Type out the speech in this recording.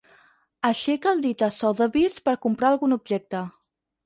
Aixeca el dit a Sotheby's per comprar algun objecte.